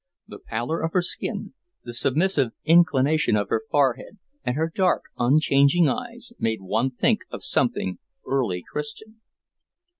The pallor of her skin, the submissive inclination of her forehead, and her dark, unchanging eyes, made one think of something "early Christian."